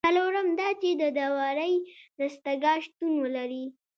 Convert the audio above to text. څلورم دا چې د داورۍ دستگاه شتون ولري.